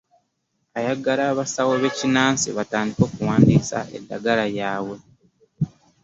Ayagala abasawo b'ekinnansi batandike okuwandiisa eddagala lyabwe